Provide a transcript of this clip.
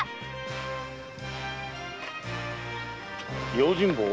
用心棒？